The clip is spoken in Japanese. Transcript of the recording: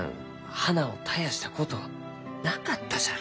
花を絶やしたことなかったじゃろ？